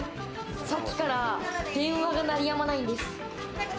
さっきから電話が鳴りやまないんです。